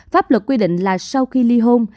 pháp luật quy định là sau khi ly hôn